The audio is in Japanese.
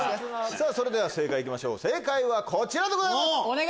それでは正解行きましょう正解はこちらでございます！